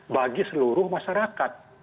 bagi seluruh masyarakat